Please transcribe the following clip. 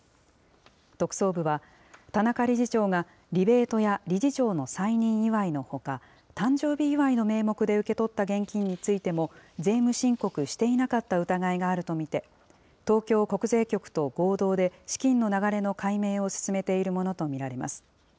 特捜部は、田中理事長がリベートや理事長の再任祝いのほか、誕生日祝いの名目で受け取った現金についても、税務申告していなかった疑いがあると見て、東京国税局と合同で資金の流れの解明を進めているものと見られます。